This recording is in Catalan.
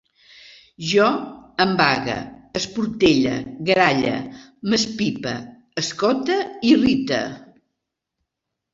Jo embague, esportelle, gralle, m'espipe, escote, irrite